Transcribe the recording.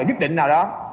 nhất định nào đó